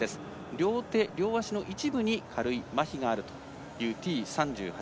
両手、両足の一部に軽いまひがあるというＴ３８。